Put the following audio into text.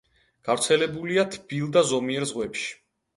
გავრცელებულია თბილ და ზომიერ ზღვებში.